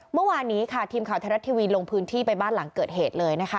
เมื่อวานนี้ค่ะทีมข่าวไทยรัฐทีวีลงพื้นที่ไปบ้านหลังเกิดเหตุเลยนะคะ